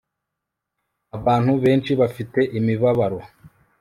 Abantu benshi bafite imibabaro